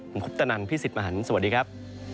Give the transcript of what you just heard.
ผมคุปตนันพี่สิทธิ์มหันฯสวัสดีครับ